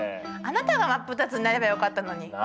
あなたが真っ二つになればよかったのに。